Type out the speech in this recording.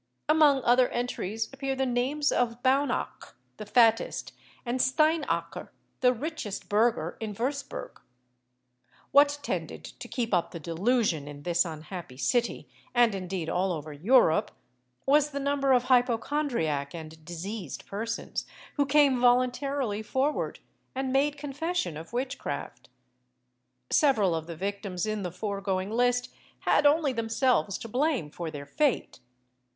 Among other entries appear the names of Baunach, the fattest, and Steinacher, the richest burgher in Würzburg. What tended to keep up the delusion in this unhappy city, and, indeed, all over Europe, was the number of hypochondriac and diseased persons who came voluntarily forward and made confession of witchcraft. Several of the victims in the foregoing list had only themselves to blame for their fate.